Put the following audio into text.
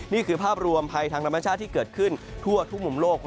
นี่คือภาพรวมภัยทางธรรมชาติที่เกิดขึ้นทั่วทุกมุมโลก